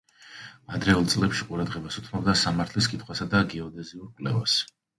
ადრეულ წლებში ყურადღებას უთმობდა სამართლის კითხვასა და გეოდეზიურ კვლევას.